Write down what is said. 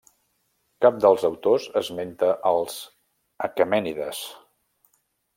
Cap dels autors esmenta als aquemènides.